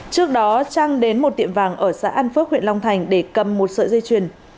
trước đó trang đến một tiệm vàng ở xã an phước huyện long thành để cầm một sợi dây chuyền